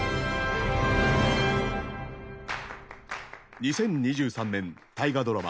２０２３年大河ドラマ